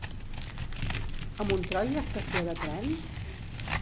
A Montroi hi ha estació de tren?